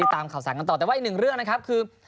ตามข่าวสารกันต่อแต่ว่าอีกหนึ่งเรื่องนะครับคือ